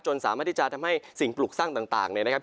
สามารถที่จะทำให้สิ่งปลูกสร้างต่างเนี่ยนะครับ